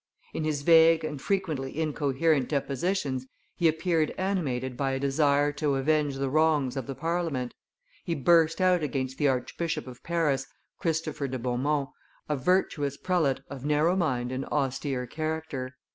In his vague and frequently incoherent depositions, he appeared animated by a desire to avenge the wrongs of the Parliament; he burst out against the Archbishop of Paris, Christopher de Beaumont, a virtuous prelate of narrow mind and austere character.